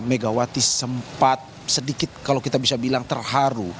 megawati sempat sedikit kalau kita bisa bilang terharu